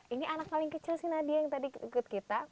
ini anak paling kecil sih nadia yang tadi ikut kita